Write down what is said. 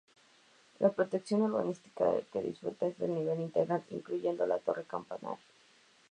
La protección urbanística de que disfruta es de nivel integral, incluyendo la torre campanario.